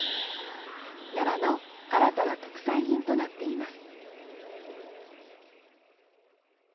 奈良の新たな特産品となっています。